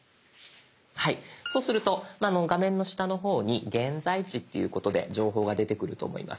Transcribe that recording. はいそうすると画面の下の方に「現在地」っていうことで情報が出てくると思います。